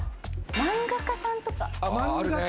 漫画家さんとか？